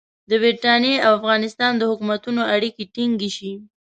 د برټانیې او افغانستان د حکومتونو اړیکې ټینګې شي.